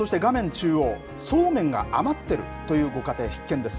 中央そうめんが余っているというご家庭、必見です。